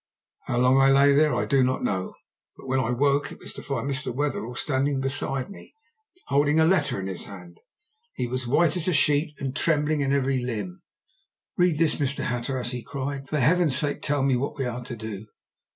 How long I lay there I do not know, but when I woke it was to find Mr. Wetherell standing beside me, holding a letter in his hand. He was white as a sheet, and trembling in every limb. "Read this, Mr. Hatteras," he cried. "For Heaven's sake tell me what we are to do!"